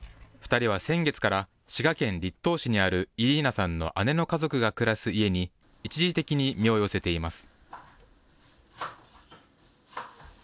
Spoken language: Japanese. ２人は先月から滋賀県栗東市にあるイリーナさんの姉の家族が暮らす家に、一時的に身を寄せています。